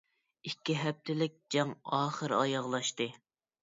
ئىككى ھەپتىلىك جەڭ ئاخىرى ئاياغلاشتى.